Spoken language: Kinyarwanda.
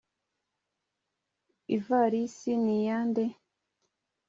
ivalisi niya nde?